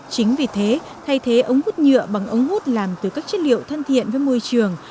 chính vì thế thay thế ống hút nhựa bằng ống hút làm từ các chất liệu thân thiện với môi trường